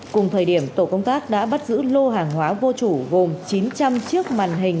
cùng thời điểm tổ công tác đã bắt giữ lô hàng hóa vô chủ gồm chín trăm linh chiếc màn hình